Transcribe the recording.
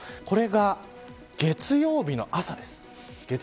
これが月曜日の朝です。